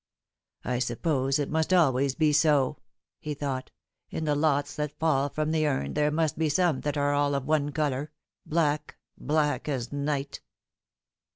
" I suppose it must always be so," he thought ;" in the lots that fall from the urn there must be some that u are all of one colour black black as night."